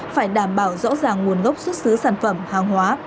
phải đảm bảo rõ ràng nguồn gốc xuất xứ sản phẩm hàng hóa